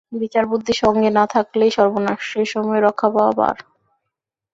বিচারবুদ্ধি সঙ্গে না থাকলেই সর্বনাশ, সে-সময়ে রক্ষা পাওয়া ভার।